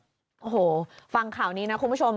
โอ้โหฟังข่าวนี้นะคุณผู้ชม